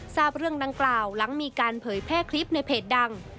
ทราบเรื่องดังกล่าวหลังมีการเผยแพร่คลิปในเพจดัง